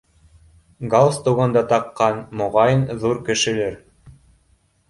Галстугын да таҡҡан, моғайын, ҙур кешелер.